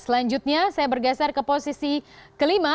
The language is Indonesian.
selanjutnya saya bergeser ke posisi kelima